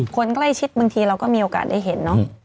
คนใกล้ชิดบางทีเราก็มีโอกาสได้เห็นเนอะ